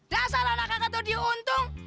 dasar anak kagak tau dia untung